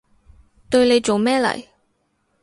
對你做咩嚟？